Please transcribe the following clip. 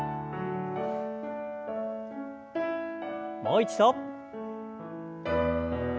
もう一度。